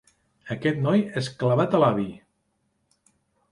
Aquest noi és clavat a l'avi.